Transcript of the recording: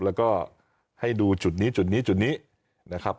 แล้วก็ให้ดูจุดนี้จุดนี้จุดนี้นะครับ